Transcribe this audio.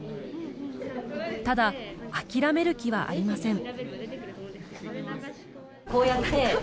ただ、諦める気はありません。